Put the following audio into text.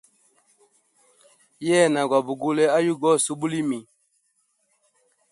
Yena gwa bugule ayugu ose ubulimi.